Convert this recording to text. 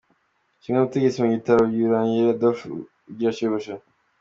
Ushinzwe ubutegetsi mu bitaro bya Ruhengeri Adolphe Ugirashebuja.